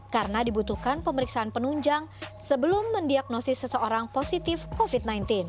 karena dibutuhkan pemeriksaan penunjang sebelum mendiagnosis seseorang positif covid sembilan belas